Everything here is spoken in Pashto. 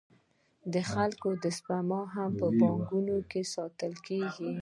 د خلکو سپما هم په بانکونو کې ساتل کېږي